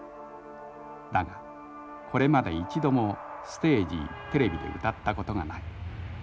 だがこれまで一度もステージテレビで歌ったことがない。